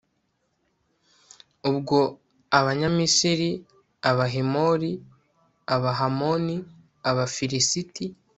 ubwo abanyamisiri, abahemori, abahamoni, abafilisiti